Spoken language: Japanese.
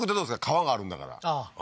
川があるんだからああー